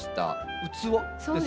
器ですか？